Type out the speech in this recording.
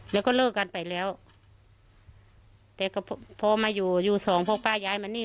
แล้วก็เลิกกันไปแล้วแต่ก็พอมาอยู่ยูสองพอป้าย้ายมานี่